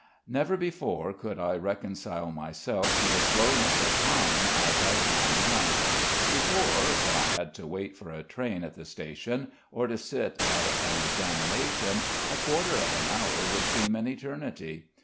Never before could I reconcile myself to the slowness of time as I can now. Before, when I had to wait for a train at the station, or to sit at an examination, a quarter of an hour would seem an eternity.